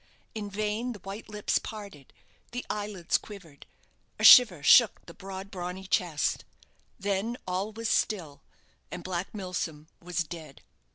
In vain the white lips parted, the eyelids quivered, a shiver shook the broad, brawny chest then all was still, and Black Milsom was dead!